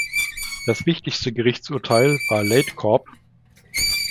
Das wichtigste Gerichtsurteil war "Late Corp.